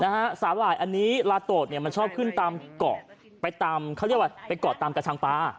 สาหร่ายอันนี้ลาโตดเนี่ยมันชอบขึ้นตามเกาะไปตามเขาเรียกว่าไปเกาะตามกระชังปลา